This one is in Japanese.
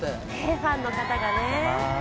ファンの方がね。